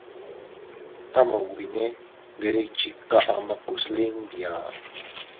Ama ubine ndere iychika ama kuslin biaa.